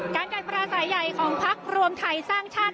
การทำกัดประสายใหญ่ของพรหรวมไทยสร้างชาติ